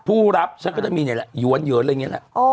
ผู้รับฉันก็จะมีนี่แหละหยวนเหินอะไรอย่างนี้แหละ